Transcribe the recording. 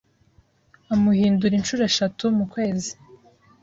Amuhindura inshuro eshatu mukwezi